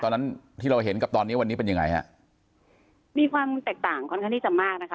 ตอนนั้นที่เราเห็นกับตอนนี้วันนี้เป็นยังไงฮะมีความแตกต่างค่อนข้างที่จะมากนะคะ